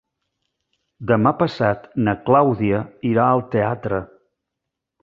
Demà passat na Clàudia irà al teatre.